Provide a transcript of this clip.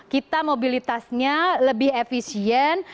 kita mobilitasnya lebih efisien